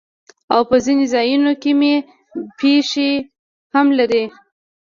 او پۀ ځنې ځايونو کښې کمی بېشی هم لري